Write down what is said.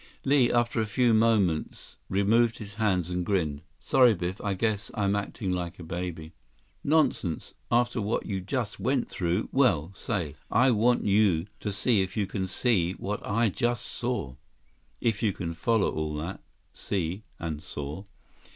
Li, after a few moments, removed his hands and grinned. "Sorry, Biff, I guess I'm acting like a baby." "Nonsense. After what you just went through, well—Say, I want you to see if you can see what I just saw—if you can follow all that 'see' and 'saw.